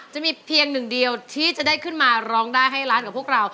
จะมีเพียงหนึ่งเดียวที่จะได้ขึ้นมาร้องได้ให้ล้านกับพวกเรา